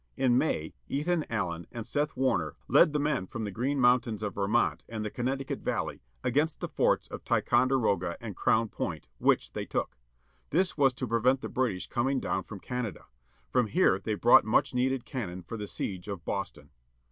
In May, Ethan Allen and Beth Warner led the men from the Green Moun tains of Vermont, and the Connecticut Valley, against the forts of Ticonderoga and Crown Point, which they took. This was to pre vent the British coming down from Canada. From here they brought much needed cannon for the siege of Boston.